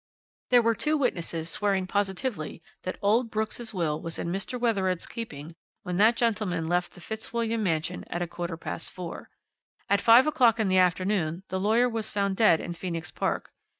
"There were two witnesses swearing positively that old Brooks' will was in Mr. Wethered's keeping when that gentleman left the Fitzwilliam mansion at a quarter past four. At five o'clock in the afternoon the lawyer was found dead in Phoenix Park.